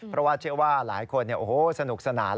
เพราะว่าเชื่อว่าหลายคนสนุกสนาน